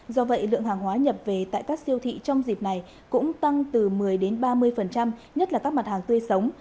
do vậy lượng hàng hóa nhập về tại các siêu thị trong dịp này cũng tăng từ một mươi ba mươi nhất là các mặt hàng tươi sống